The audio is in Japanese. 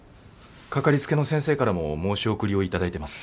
かかりつけの先生からも申し送りを頂いてます。